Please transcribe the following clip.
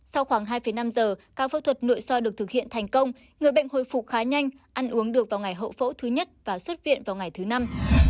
sau khoảng hai năm giờ ca phẫu thuật nội soi được thực hiện thành công người bệnh hồi phục khá nhanh ăn uống được vào ngày hậu phẫu thứ nhất và xuất viện vào ngày thứ năm